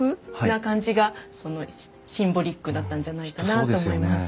な感じがシンボリックだったんじゃないかなと思います。